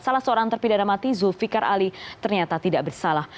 salah seorang terpidana mati zulfikar ali ternyata tidak bersalah